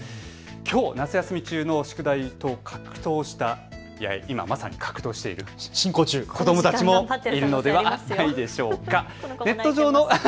きょう、夏休み中の宿題と格闘した今まさに格闘している子どもたちもいるのではないでしょうか。